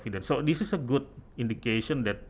ini adalah indikasi yang baik